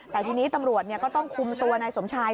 แต่ทีนี้ตำรวจก็ต้องคุมตัวนายสมชาย